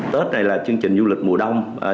tết này là chương trình du lịch mùa đông